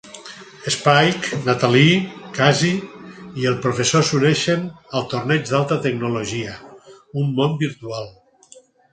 Spike, Natalie, Casi i el professor s'uneixen al Torneig d'Alta Tecnologia, un món virtual.